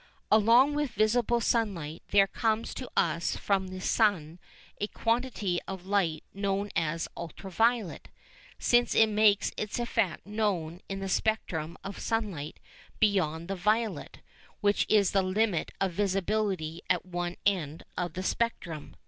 Along with the visible sunlight there comes to us from the sun a quantity of light known as "ultra violet," since it makes its effect known in the spectrum of sunlight beyond the violet, which is the limit of visibility at one end of the spectrum.